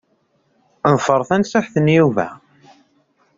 Ḍfer tanṣiḥt n Yuba.